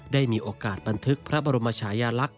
ได้มีโอกาสบันทึกพระบรมชายาลักษณ